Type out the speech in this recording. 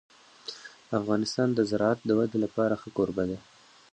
افغانستان د زراعت د ودې لپاره ښه کوربه دی.